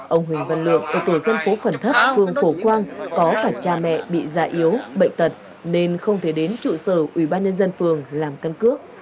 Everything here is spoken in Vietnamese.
ông huỳnh văn lượng ở tổ dân phố phần thất phường phổ quang có cả cha mẹ bị gia yếu bệnh tật nên không thể đến trụ sở ủy ban nhân dân phường làm căn cước